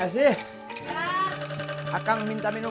tiga orang sudah selesai keluar